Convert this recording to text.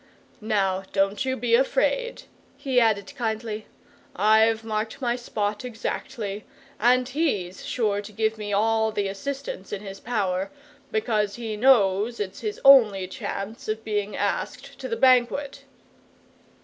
"Now don't you be afraid," he added kindly. "I've marked my spot exactly, and HE'S sure to give me all the assistance in his power, because he knows it's his only chance of being asked to the banquet!"